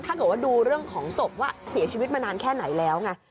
ถ้าเกิดว่าดูเรื่องของศพว่าเสียชีวิตมานานแค่ไหนแล้วไง